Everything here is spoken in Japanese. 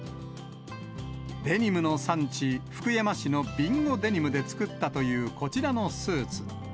デニムの産地、福山市の備後デニムで作ったというこちらのスーツ。